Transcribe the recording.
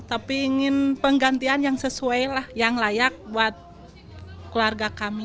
tapi ingin penggantian yang sesuai lah yang layak buat keluarga kami